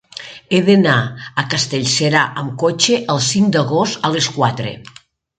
He d'anar a Castellserà amb cotxe el cinc d'agost a les quatre.